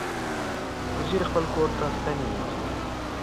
وزې خپل کور ته ستنېږي